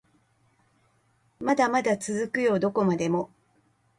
まだまだ続くよどこまでも